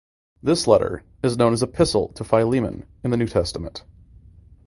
This letter is known as Epistle to Philemon in the New Testament.